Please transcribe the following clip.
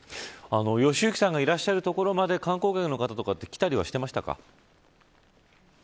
良幸さんがいらっしゃる所まで観光客の方は来たりはしていましたか。